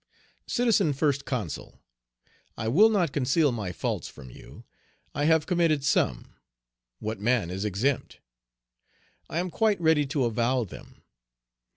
"CITIZEN FIRST CONSUL: I will not conceal my faults from you. I have committed some. What man is exempt? I am quite ready to avow them.